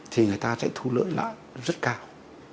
thì người ta sẽ thu lợi lại rất cao